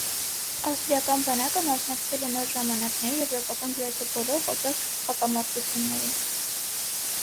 Ավստրիական բանակը մասնակցել է նոր ժամանակների եվրոպական գրեթե բոլոր խոշոր հակամարտություններին։